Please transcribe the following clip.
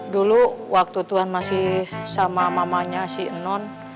dulu waktu tuhan masih sama mamanya si non